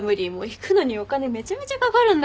行くのにお金めちゃめちゃかかるんだから。